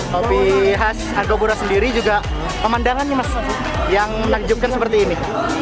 kopi khas agobura sendiri juga pemandangan yang menakjubkan seperti ini